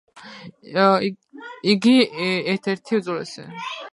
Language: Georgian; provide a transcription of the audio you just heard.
იგავი ერთ-ერთი უძველესი